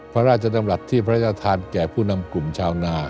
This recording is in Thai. พระราชดำรัฐที่พระราชทานแก่ผู้นำกลุ่มชาวนา